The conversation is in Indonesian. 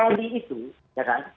pni itu ya kan